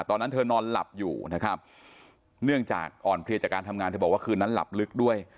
ตอนนั้นเธอนอนหลับอยู่นะครับเนื่องจากอ่อนเพลียจากการทำงานเธอบอกว่าคืนนั้นหลับลึกด้วย